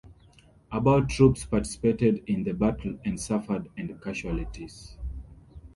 About troops participated in the battle and suffered and casualties.